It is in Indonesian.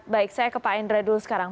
baik saya ke pak endra dulu sekarang